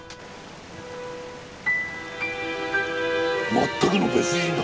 全くの別人だ！